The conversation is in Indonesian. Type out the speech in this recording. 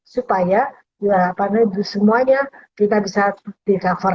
supaya semuanya kita bisa di cover